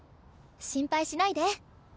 心配しないで。